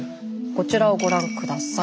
こちらをご覧下さい。